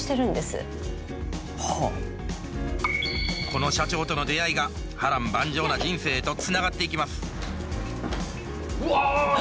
この社長との出会いが波乱万丈な人生へとつながっていきますうわ！